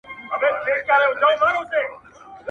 نن څراغه لمبې وکړه پر زړګي مي ارمانونه!